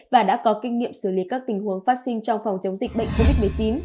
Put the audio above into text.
và đã có kinh nghiệm xử lý các tình huống phát sinh trong phòng chống dịch bệnh covid một mươi chín